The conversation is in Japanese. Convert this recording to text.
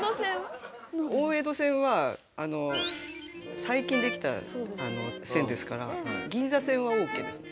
大江戸線は最近できた線ですから銀座線はオーケーですね。